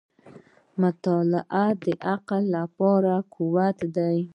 • مطالعه د عقل لپاره قوت دی.